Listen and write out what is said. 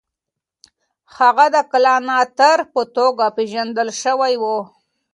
هغه د کلانتر په توګه پېژندل سوی و.